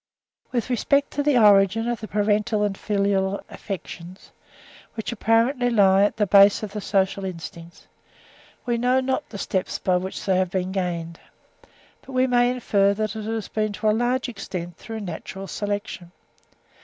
With respect to the origin of the parental and filial affections, which apparently lie at the base of the social instincts, we know not the steps by which they have been gained; but we may infer that it has been to a large extent through natural selection.